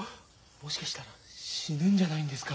もしかしたら死ぬんじゃないんですか？